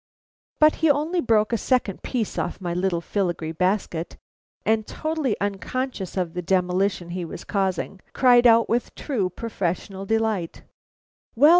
But he only broke a second piece off my little filigree basket, and, totally unconscious of the demolition he was causing, cried out with true professional delight: "Well!